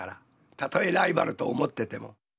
たとえライバルと思ってても。